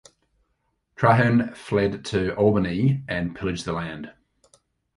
Trahern fled to Albany and pillaged the land.